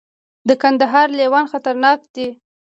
د کندهار لیوان خطرناک دي